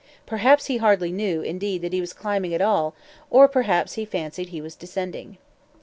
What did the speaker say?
Perhaps he hardly knew, indeed, that he was climbing at all, or perhaps he fancied he was descending.